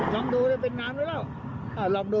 ลองดูเรียกเป็นน้ำแล้วแล้ว